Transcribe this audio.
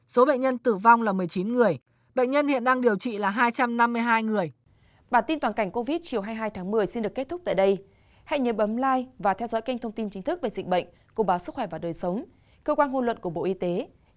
số bệnh nhân tử vong là một mươi chín người bệnh nhân hiện đang điều trị là hai trăm năm mươi hai người